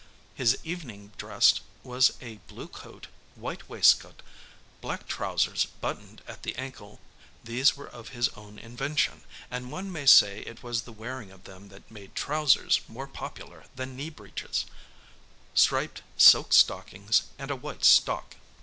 His evening dress was a blue coat, white waistcoat, black trousers buttoned at the ankle these were of his own invention, and one may say it was the wearing of them that made trousers more popular than knee breeches striped silk stockings, and a white stock.